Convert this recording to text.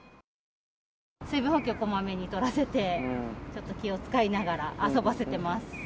水分補給、小まめに取らせてちょっと気を使いながら遊ばせてます。